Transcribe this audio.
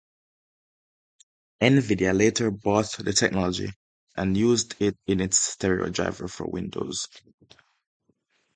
Nvidia later bought the technology and used it in its stereo driver for Windows.